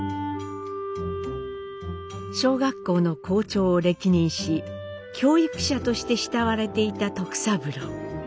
小学校の校長を歴任し教育者として慕われていた徳三郎。